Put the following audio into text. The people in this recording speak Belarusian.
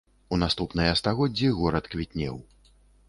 У наступныя стагоддзі горад квітнеў.